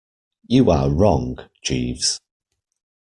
You are wrong, Jeeves.